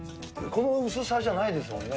この薄さじゃないですもんね。